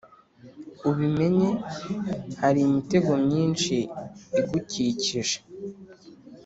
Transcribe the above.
Ubimenye, hari imitego myinshi igukikije,